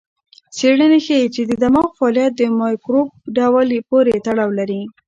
څېړنه ښيي چې د دماغ فعالیت د مایکروب ډول پورې تړاو لري.